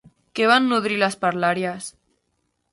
Què van nodrir les parleries?